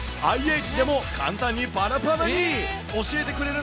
ＩＨでも簡単にパラパラに。